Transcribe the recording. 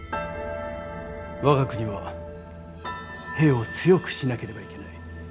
我が国は兵を強くしなければいけない。